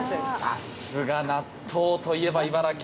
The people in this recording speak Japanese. さすが、納豆といえば茨城。